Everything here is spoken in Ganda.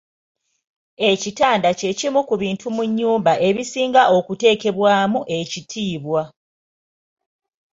Ekitanda ky’ekimu ku bintu mu nnyumba ebisinga okuteekebwamu ekitiibwa.